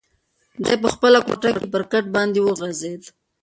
دی په خپله کوټه کې پر کټ باندې وغځېد.